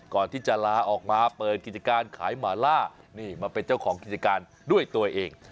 ก่อนที่จะลาออกมาเปิดกิจการขายหมาล่านี่มาเป็นเจ้าของกิจการด้วยตัวเอง